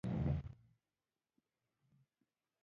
د هېروغلیف انځوریز لیکدود په تړاو وو.